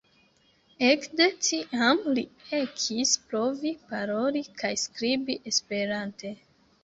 Ekde tiam, Li ekis provi paroli kaj skribi esperante.